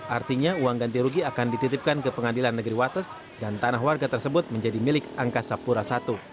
artinya uang ganti rugi akan dititipkan ke pengadilan negeri wates dan tanah warga tersebut menjadi milik angkasa pura i